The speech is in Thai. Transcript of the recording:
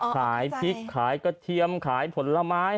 ขายพริกขายกระเทียมขายผลไม้